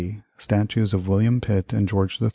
Statues of William Pitt and George III.